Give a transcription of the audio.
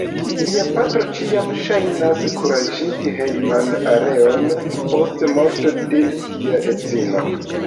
Lia patro ĉiam ŝajnas kuraĝigi hejman aeron post morto de sia edzino.